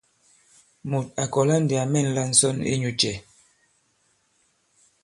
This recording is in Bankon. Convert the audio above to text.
Mùt à kɔ̀la ndī à mɛ̂nla ǹsɔn inyū cɛ ?